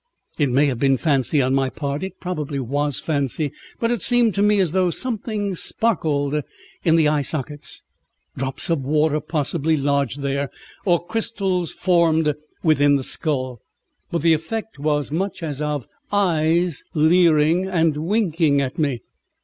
It may have been fancy on my part, it probably was fancy, but it seemed to me as though something sparkled in the eye sockets. Drops of water possibly lodged there, or crystals formed within the skull; but the effect was much as of eyes leering and winking at me.